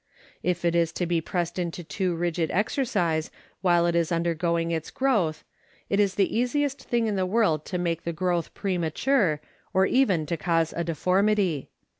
If it be pressed into too rapid exercise while it is undergoing its growth it is the easiest thing in the world to make the growth premature, or even to cause a deformity.